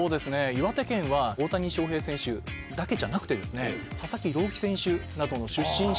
岩手県は大谷翔平選手だけじゃなくて佐々木朗希選手などの出身者で。